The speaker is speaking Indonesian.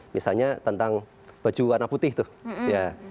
misalnya tentang baju warna putih tuh ya